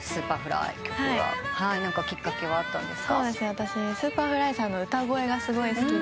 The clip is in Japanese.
私Ｓｕｐｅｒｆｌｙさんの歌声がすごい好きで。